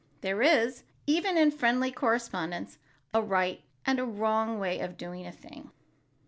There is, even in friendly correspondence, a right and a wrong way of doing a thing.